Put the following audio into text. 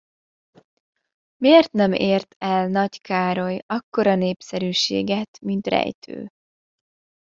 Miért nem ért el Nagy Károly akkora népszerűséget, mint Rejtő?